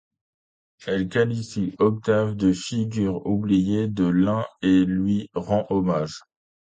Elle qualifie Octave de figure oubliée de l’un et lui rend hommage.